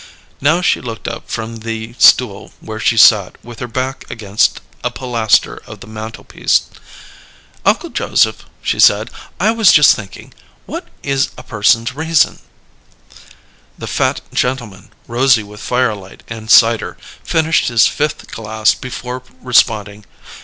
Now she looked up from the stool where she sat with her back against a pilaster of the mantelpiece. "Uncle Joseph," she said; "I was just thinking. What is a person's reason?" The fat gentleman, rosy with firelight and cider, finished his fifth glass before responding.